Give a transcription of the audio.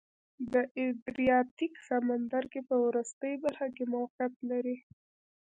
د ادریاتیک سمندرګي په وروستۍ برخه کې موقعیت لري.